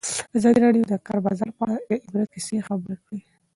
ازادي راډیو د د کار بازار په اړه د عبرت کیسې خبر کړي.